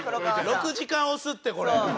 ６時間押すってこれ。